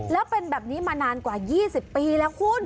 แล้วเป็นแบบนี้มานานกว่า๒๐ปีแล้วคุณ